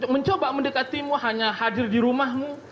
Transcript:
mencoba mendekatimu hanya hadir di rumahmu